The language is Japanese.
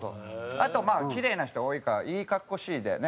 あとまあキレイな人多いからいい格好しいでね